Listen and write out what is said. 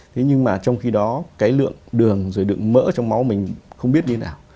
thế nhưng mà trong khi đó cái lượng đường rồi đựng mỡ trong máu mình không biết như thế nào